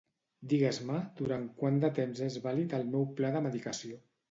Digues-me durant quant de temps és vàlid el meu pla de medicació.